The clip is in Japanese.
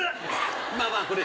まあまあこれ。